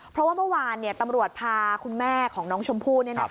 เพราะว่าเมื่อวานตำรวจพาคุณแม่ของน้องชมพู่